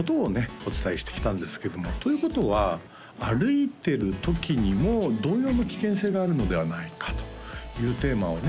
お伝えしてきたんですけどもということは歩いてるときにも同様の危険性があるのではないかというテーマをね